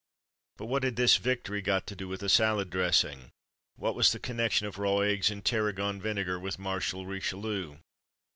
But what had this victory got to do with a salad dressing? What was the connection of raw eggs and tarragon vinegar with Marshal Richelieu?